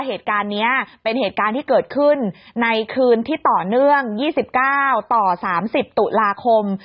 เหตุการณ์นี้เป็นเหตุการณ์ที่เกิดขึ้นในคืนที่ต่อเนื่อง๒๙ต่อ๓๐ตุลาคม